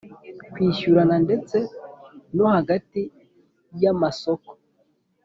kwishyurana ndetse no hagati yamasoko